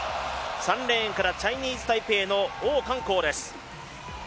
３レーンから、チャイニーズ・タイペイの王冠コウです。